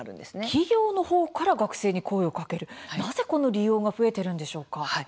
企業のほうから学生に声をかけるなぜこの利用が増えているんでしょうか？